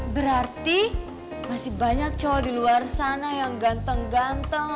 berarti masih banyak cowok di luar sana yang ganteng ganteng